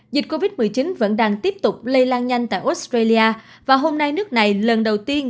dịch covid một mươi chín vẫn đang tiếp tục lây lan nhanh tại australia và hôm nay nước này lần đầu tiên